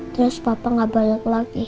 terus papa gak banyak lagi